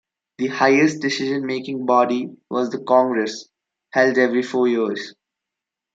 The highest decision-making body was the Congress, held every four years.